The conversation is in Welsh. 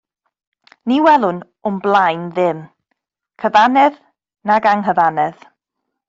Ni welwn o'm blaen ddim, cyfannedd nag anghyfannedd.